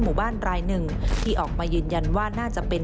หมู่บ้านรายหนึ่งที่ออกมายืนยันว่าน่าจะเป็น